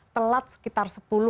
telat sekitar sepuluh tahun